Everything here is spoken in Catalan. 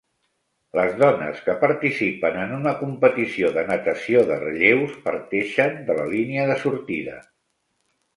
Les dones que participen en una competició de natació de relleus parteixen de la línia de sortida.